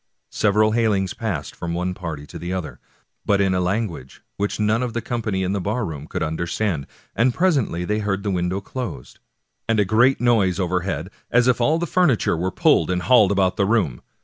Sev eral bailings passed from one party to the other, but in a language which none of the company in the barroom could understand, and presently they heard the window closed, and a great noise overhead, as if all the furniture were pulled and hauled about the room.